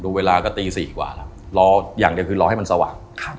เวลาก็ตี๔กว่าแล้วรออย่างเดียวคือรอให้มันสว่าง